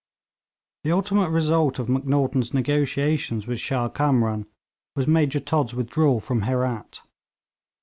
The ultimate result of Macnaghten's negotiations with Shah Kamran was Major Todd's withdrawal from Herat.